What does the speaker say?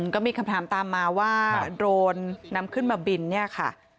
ก็มีคำถามตามมาว่าโดรนนำขึ้นมาบินเนี่ยค่ะ